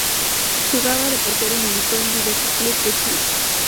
Jugaba de portero y militó en diversos clubes de Chile.